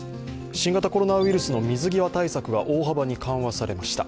新型コロナウイルスの水際対策が大幅に緩和されました。